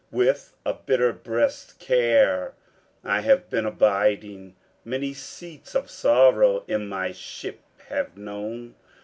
With a bitter breast care I have been abiding; Many seats of sorrow in my ship have known!